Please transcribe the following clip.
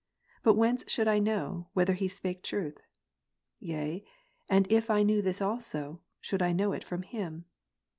But whence should I know, whether he spake truth ? Yea, and if I knew this also, should I know it from him